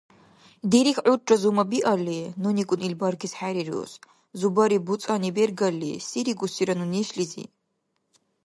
Дирихь гӀурра зумабиалли, нуникӀун ил баргес хӀерирус. Зубари буцӀани бергалли, се рикӀусира ну нешлизи?